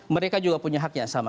mereka juga punya hak yang sama